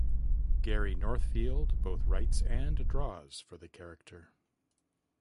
Gary Northfield both writes and draws for the character.